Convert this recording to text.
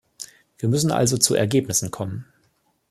Wir müssen also zu Ergebnissen kommen.